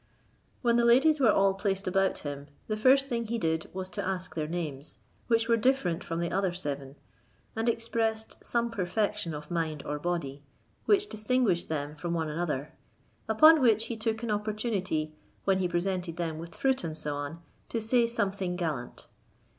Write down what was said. When the ladies were all placed about him, the first thing he did was to ask their names, which were different from the other seven, and expressed some perfection of mind or body, which distinguished them from one another: upon which he took an opportunity, when he presented them with fruit, &c., to say something gallant.